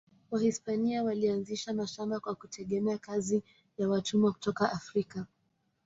Wahispania walianzisha mashamba kwa kutegemea kazi ya watumwa kutoka Afrika.